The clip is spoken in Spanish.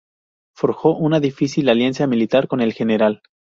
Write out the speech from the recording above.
Forjó una difícil alianza militar con el Gral.